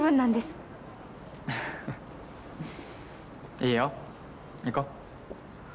いいよ行こう。